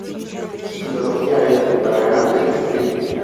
Su filosofía era que para ganar hay que sufrir.